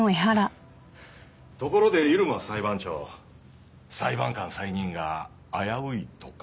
ところで入間裁判長裁判官再任が危ういとか。